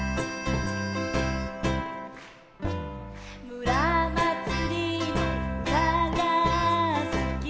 「むらまつりのうたがすき」